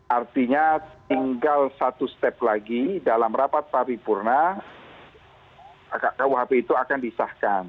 artinya tinggal satu step lagi dalam rapat paripurna kuhp itu akan disahkan